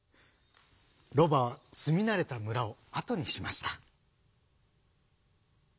ロバはすみなれたむらをあとにしました。